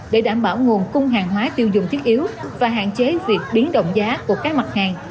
để đảm bảo nguồn cung hàng hóa tiêu dùng thiết yếu và hạn chế việc biến động giá của các mặt hàng